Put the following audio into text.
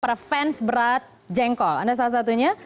para fans berat jengkol anda salah satunya